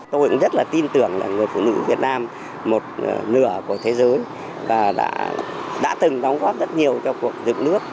tôi cũng rất là tin tưởng là người phụ nữ việt nam một nửa của thế giới và đã từng đóng góp rất nhiều cho cuộc dựng nước